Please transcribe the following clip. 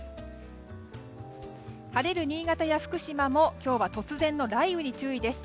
晴れる新潟や福島も今日は突然の雷雨に注意です。